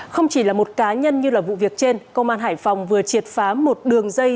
không chỉ là một cá nhân như là vụ việc trên công an hải phòng vừa triệt phá một đường dây